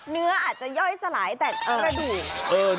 เนื้ออาจจะย่อยสลายแต่กระดูก